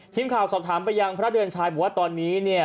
ทีมข่าวสอบถามไปยังพระเดือนชัยบอกว่าตอนนี้เนี่ย